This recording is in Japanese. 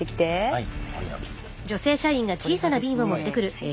はい。